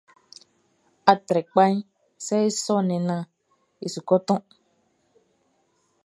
Atrɛkpaʼn, sɛ e sɔnnin naan e su kɔ toʼn.